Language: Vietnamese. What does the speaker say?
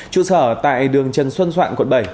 trụ sở tại đường trần xuân soạn quận bảy